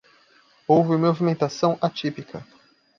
Houve movimentação atípica